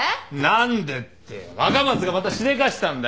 何でって若松がまたしでかしたんだよ。